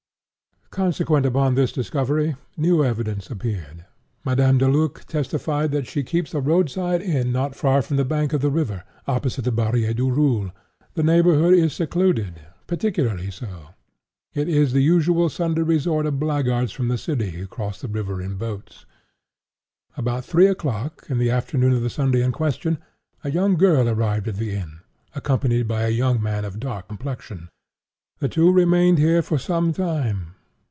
Consequent upon this discovery, new evidence appeared. Madame Deluc testified that she keeps a roadside inn not far from the bank of the river, opposite the Barrière du Roule. The neighborhood is secluded—particularly so. It is the usual Sunday resort of blackguards from the city, who cross the river in boats. About three o'clock, in the afternoon of the Sunday in question, a young girl arrived at the inn, accompanied by a young man of dark complexion. The two remained here for some time.